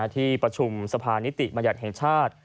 ที่ประชุมสภานิติบัญญัติแห่งชาติ